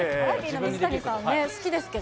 水谷さんね、好きですけど。